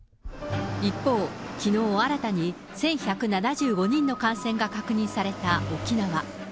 一方、きのう、新たに１１７５人の感染が確認された沖縄。